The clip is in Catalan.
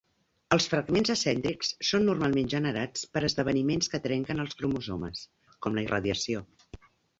Els fragments acèntrics són normalment generats per esdeveniments que trenquen els cromosomes, com la irradiació.